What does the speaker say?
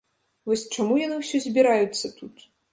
Вось, чаму яны ўсё збіраюцца тут?